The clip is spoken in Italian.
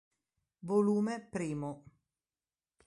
Volume primo".